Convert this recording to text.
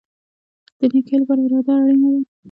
د نیکۍ لپاره اراده اړین ده